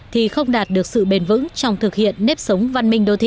thì không đạt được sự bền vững trong thực hiện nếp sống văn minh đô thị